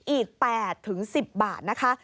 อีก๘๑๐บาทนะคะ